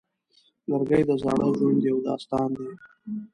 لرګی د زاړه ژوند یو داستان دی.